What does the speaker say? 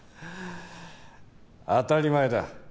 当たり前だ。